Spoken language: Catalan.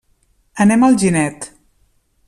Anem a Alginet.